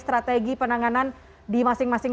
strategi penanganan di masing masing